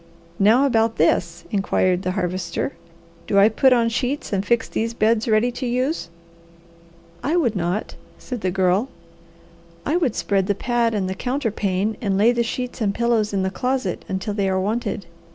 "Now about this?" inquired the Harvester. "Do I put on sheets and fix these beds ready to use?" "I would not," said the Girl. "I would spread the pad and the counterpane and lay the sheets and pillows in the closet until they are wanted.